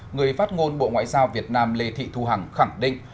người phát ngôn bộ ngoại giao việt nam lê thị thu hằng khẳng định